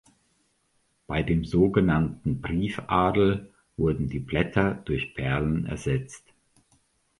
Bei dem sogenannten Briefadel wurden die Blätter durch Perlen ersetzt.